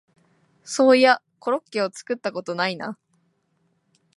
そういやコロッケを作ったことないな